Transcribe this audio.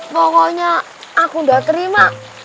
pokoknya aku udah terima